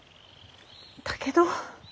だけど。